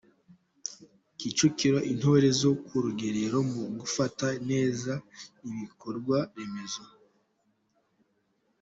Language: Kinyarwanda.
Kicukiro Intore zo ku rugerero mu gufata neza ibikorwaremezo